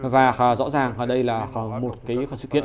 và rõ ràng đây là một cái sự kiện